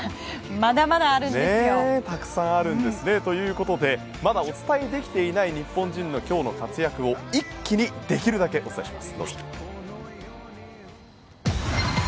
まだまだあるんですよ。ということでまだお伝えできていない日本人の今日の活躍を一気にできるだけお伝えします。